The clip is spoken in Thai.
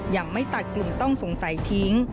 ยังไม่ตัดกลุ่มต้องสงสัยทิ้ง